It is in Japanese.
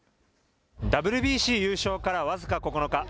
ＷＢＣ優勝から僅か９日。